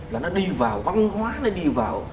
là nó đi vào văn hóa nó đi vào